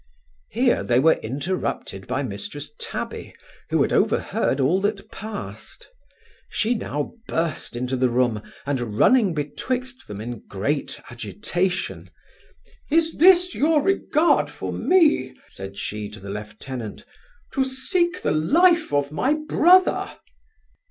Here they were interrupted by Mrs Tabby, who had overheard all that passed. She now burst into the room, and running betwixt them, in great agitation, 'Is this your regard for me (said she to the lieutenant), to seek the life of my brother?